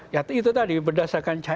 yat itu tadi berdasarkan